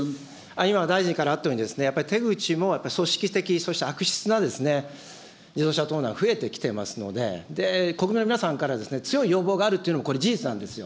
今、大臣からあったように、手口も組織的、悪質な自動車盗難、増えてきてますので、国民の皆さんから強い要望があるというのも、これ、事実なんですよ。